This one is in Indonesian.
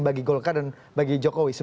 bagi golkar dan bagi jokowi